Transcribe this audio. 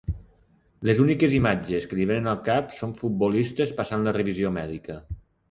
Les úniques imatges que li venen al cap són futbolistes passant la revisió mèdica.